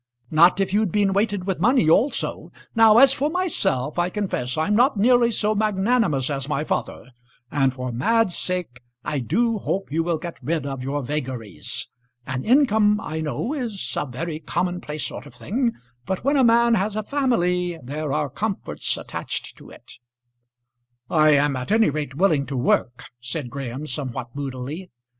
"Not if you'd been weighted with money also. Now, as for myself, I confess I'm not nearly so magnanimous as my father, and, for Mad's sake, I do hope you will get rid of your vagaries. An income, I know, is a very commonplace sort of thing; but when a man has a family there are comforts attached to it." "I am at any rate willing to work," said Graham somewhat moodily.